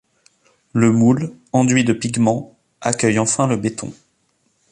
Le moule, enduit de pigments, accueille enfin le béton.